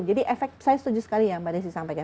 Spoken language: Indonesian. jadi saya setuju sekali yang mbak desy sampaikan